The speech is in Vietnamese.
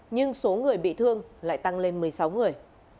nhưng số người bị thương lại tăng lên một mươi sáu người